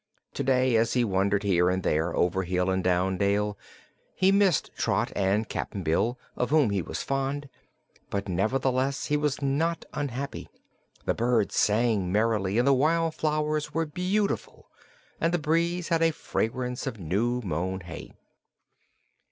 To day, as he wandered here and there, over hill and down dale, he missed Trot and Cap'n Bill, of whom he was fond, but nevertheless he was not unhappy. The birds sang merrily and the wildflowers were beautiful and the breeze had a fragrance of new mown hay.